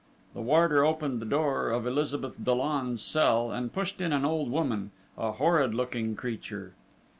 The warder opened the door of Elizabeth's Dollon's cell and pushed in an old woman a horrid looking creature.